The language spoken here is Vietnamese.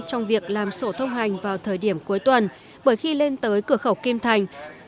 trong việc làm sổ thông hành vào thời điểm cuối tuần bởi khi lên tới cửa khẩu kim thành